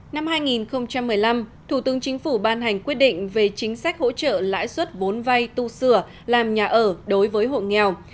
năm hai nghìn một mươi năm thủ tướng chính phủ ban hành quyết định về chính sách hỗ trợ lãi suất vốn vay tu sửa làm nhà ở đối với hộ nghèo